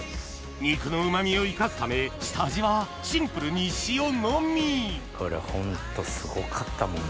肉のうま味を生かすため下味はシンプルに塩のみこれホントすごかったもんな。